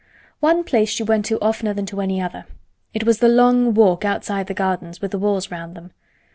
One place she went to oftener than to any other. It was the long walk outside the gardens with the walls round them.